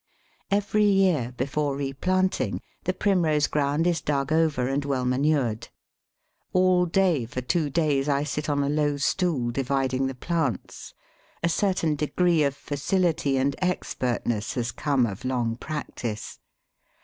Every year, before replanting, the Primrose ground is dug over and well manured. All day for two days I sit on a low stool dividing the plants; a certain degree of facility and expertness has come of long practice.